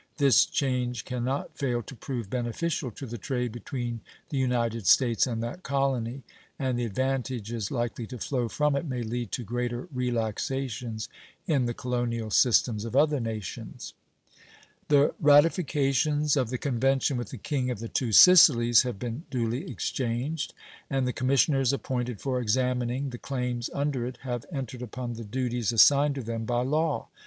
This change can not fail to prove beneficial to the trade between the United States and that colony, and the advantages likely to flow from it may lead to greater relaxations in the colonial systems of other nations. The ratifications of the convention with the King of the two Sicilies have been duly exchanged, and the commissioners appointed for examining the claims under it have entered upon the duties assigned to them by law.